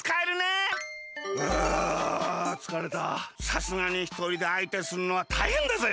さすがにひとりであいてするのはたいへんだぜ。